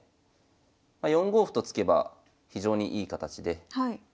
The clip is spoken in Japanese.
ま４五歩と突けば非常にいい形で。